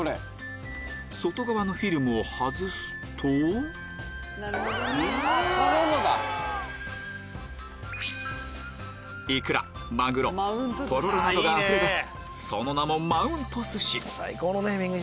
外側のフィルムを外すとイクラマグロとろろなどがあふれ出す